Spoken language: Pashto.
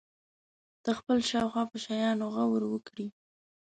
د خپل شاوخوا په شیانو غور وکړي.